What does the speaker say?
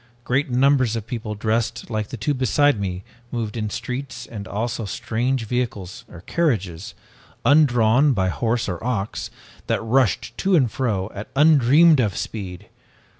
Great numbers of people, dressed like the two beside me, moved in the streets and also strange vehicles or carriages, undrawn by horse or ox, that rushed to and fro at undreamed of speed!